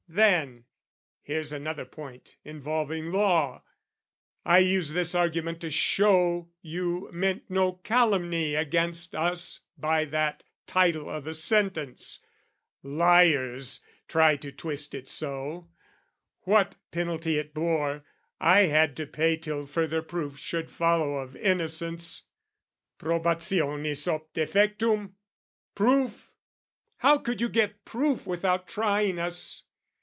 Then, here's another point involving law: I use this argument to show you meant No calumny against us by that title O' the sentence, liars try to twist it so: What penalty it bore, I had to pay Till further proof should follow of innocence Probationis ob defectum, proof? How could you get proof without trying us?